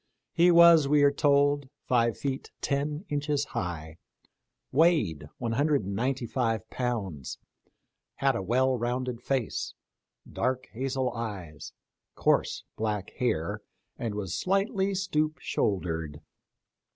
He was, we are told, five feet ten inches high, weighed one hundred and ninety^ five pounds, had a well rounded face, dark hazel eyes, coarse black hair, and was slightly stoop shouldered.